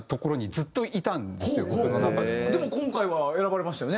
でも今回は選ばれましたよね。